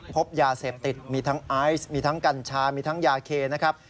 พบยาเสพติดมีทั้งไอซ์มีทั้งกัญชามีทั้งยาเคนะครับ